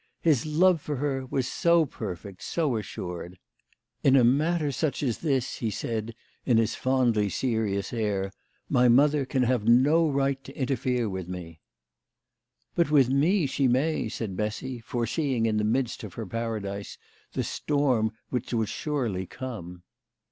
His love for her was so perfect, so assured !" In a matter such THE LADY OF LAUNAY. 129 as this," he said in his fondly serious air, " my mother can have no right to interfere with me." " But with me she may," said Bessy, foreseeing in the midst of her Paradise the storm which would surely come.